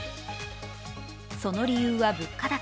その理由は物価高。